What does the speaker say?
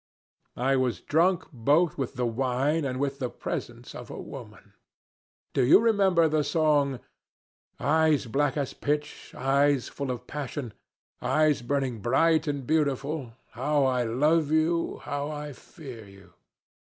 I was drunk both with the wine and with the presence of a woman. Do you remember the song? "Eyes black as pitch, eyes full of passion, Eyes burning bright and beautiful, How I love you, How I fear you!"